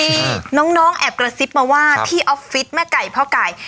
มีน้องแอบกระซิบมาว่าที่ออฟฟิศแม่ไก่พ่อไก่